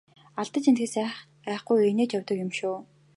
Алдаж эндэхээс айхгүй инээж явдаг юм шүү!